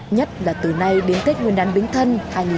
nhất là từ nay đến tết nguyên đán bình thân hai nghìn một mươi sáu